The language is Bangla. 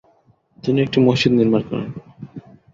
তিনি একটি মসজিদ নির্মাণ করেন।